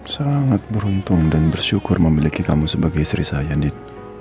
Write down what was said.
sangat beruntung dan bersyukur memiliki kamu sebagai istri saya nin